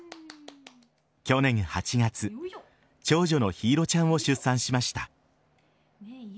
去年８月長女の陽彩ちゃんを出産しました。